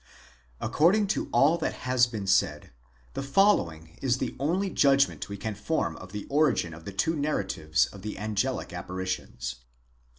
According to all that has been said, the following is the only judgment we can form of the origin of the two narratives of the angelic apparitions.